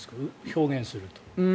表現すると。